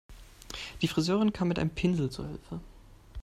Die Friseurin kam mit einem Pinsel zu Hilfe.